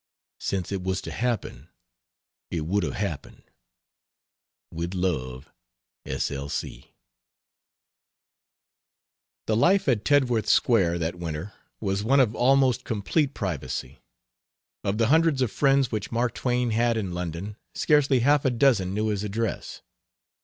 Since it was to happen it would have happened. With love S. L. C. The life at Tedworth Square that winter was one of almost complete privacy. Of the hundreds of friends which Mark Twain had in London scarcely half a dozen knew his address.